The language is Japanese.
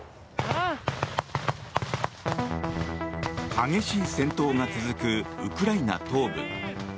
激しい戦闘が続くウクライナ東部。